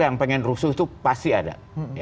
yang pengen rusuh itu pasti ada